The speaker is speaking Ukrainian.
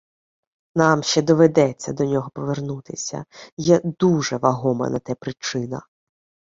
Нам ще доведеться до нього повернутися, є дуже вагома на те причина